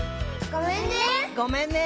「ごめんね」